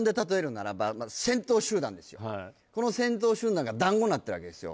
はいこの先頭集団がだんごになってるわけですよ